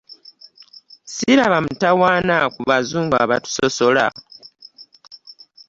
Ssiraba mutawaana ku bazungu abatusosola.